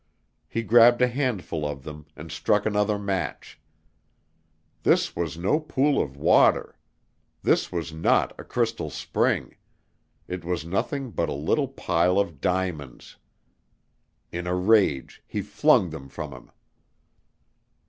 He grabbed a handful of them and struck another match. This was no pool of water this was not a crystal spring it was nothing but a little pile of diamonds. In a rage he flung them from him.